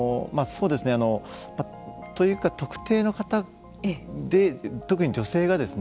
というか、特定の方で特に女性がですね